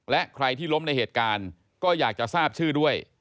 และใครที่ล้มในเหตุการณ์ก็อยากจะทราบชื่อด้วย